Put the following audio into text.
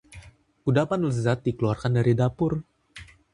Kudapan lezat dikeluarkan dari dapur